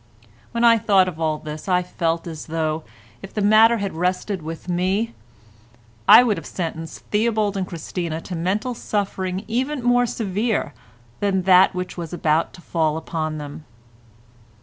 When I thought of all this I felt as though, if the matter had rested with me, I would have sentenced Theobald and Christina to mental suffering even more severe than that which was about to fall upon them.